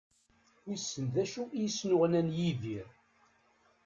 Wissen d acu i yesnuɣnan Yidir?